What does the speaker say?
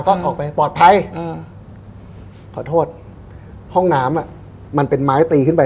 ก็ออกไปปลอดภัยอ่าขอโทษห้องน้ำอ่ะมันเป็นไม้ตีขึ้นไป